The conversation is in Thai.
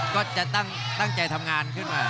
ก็จะตั้งใจทำงานขึ้นมา